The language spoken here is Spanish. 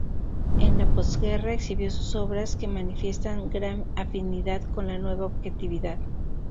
En la postguerra exhibió sus obras, que manifiestan gran afinidad con la Nueva Objetividad.